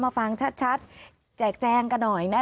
ฟังชัดแจกแจงกันหน่อยนะ